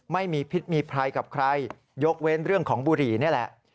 ไม่มีพิษมีภัยกับใครยกเว้นเรื่องของบุหรี่นี่แหละ